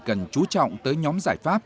cần chú trọng tới nhóm giải pháp